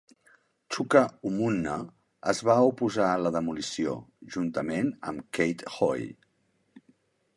Chuka Umunna es va oposar a la demolició, juntament amb Kate Hoey.